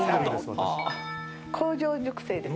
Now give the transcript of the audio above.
工場熟成で。